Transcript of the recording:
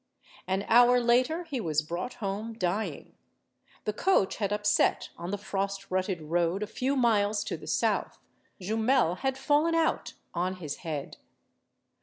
An hour later he was brought home dying. The coach had upset on the frost rutted road a few miles to the south. Jumel had fallen out on his head.